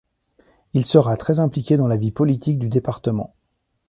Il sera très impliqué dans la vie politique du département.